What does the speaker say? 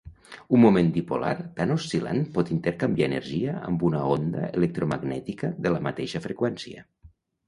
Un moment dipolar tan oscil·lant pot intercanviar energia amb una onda electromagnètica de la mateixa freqüència.